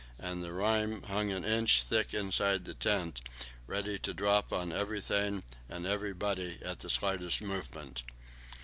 and the rime hung an inch thick inside the tent, ready to drop on everything and everybody at the slightest movement.